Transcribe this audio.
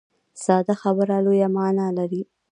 ساده خبره لویه معنا لري.